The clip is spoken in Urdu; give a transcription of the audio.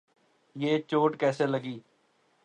یہ چوٹ کیسے لگی؟